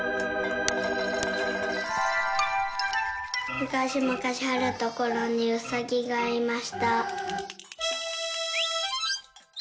「むかしむかしあるところにうさぎがいました」。